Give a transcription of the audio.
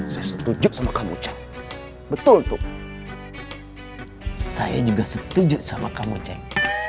setuju sama kamu cang betul tuh saya juga setuju sama kamu ceng